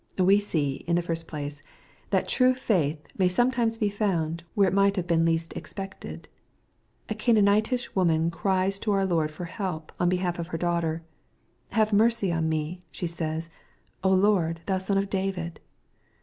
We see, in the first place, that true faith may some" times be/oundj where it might have been least expected. A Caananitish woman cries to our Lord for help, on behalf of her. daughter. ^^ Have mercy on me" she says, " Lord, thou Son of David."